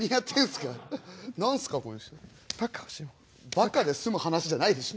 バカで済む話じゃないでしょ。